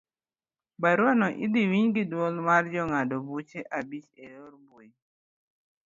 Burano idhi winj gi duol mar jongad buche abich eyor mbui.